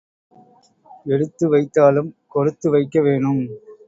எடுத்து வைத்தாலும் கொடுத்து வைக்க வேணும்.